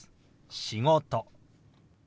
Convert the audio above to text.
「仕事」。